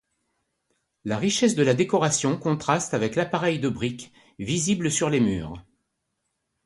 La richesse de la décoration contraste avec l'appareil de briques visible sur les murs.